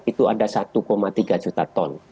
itu ada satu tiga juta ton